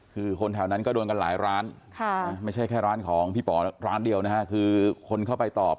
คือคนแถวนั้นก็โดนกันหลายร้านไม่ใช่แค่ร้านของพี่ป๋อร้านเดียวนะฮะคือคนเข้าไปตอบ